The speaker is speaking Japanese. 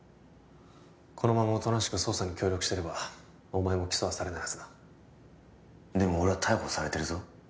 このままおとなしく捜査に協力してればお前も起訴はされないはずだでも俺は逮捕されてるぞ？